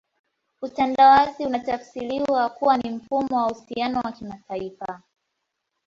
Utandawazi unatafsiriwa kuwa ni mfumo wa uhusiano wa kimataifa